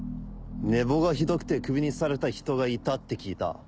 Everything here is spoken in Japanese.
寝坊がひどくてクビにされた人がいたって聞いた。